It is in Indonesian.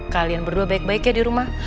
kalian berdua baik baik ya di rumah